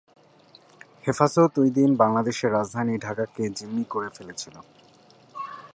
হেফাজত ওই দিন বাংলাদেশের রাজধানী ঢাকাকে জিম্মি করে ফেলেছিল।